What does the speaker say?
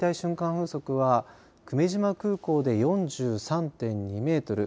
風速は久米島空港で４３．２メートル